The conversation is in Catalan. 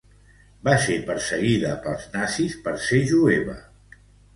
Va ser perseguida pels nazis per ser jueva.